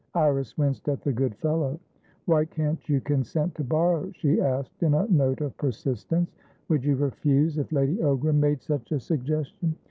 Iris winced at the "good fellow." "Why can't you consent to borrow?" she asked, in a note of persistence. "Would you refuse if Lady Ogram made such a suggestion?"